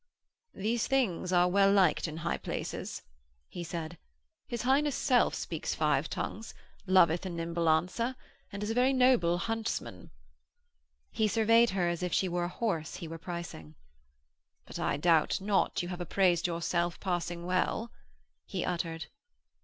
'These things are well liked in high places,' he said. 'His Highness' self speaks five tongues, loveth a nimble answer, and is a noble huntsman.' He surveyed her as if she were a horse he were pricing. 'But I doubt not you have appraised yourself passing well,' he uttered.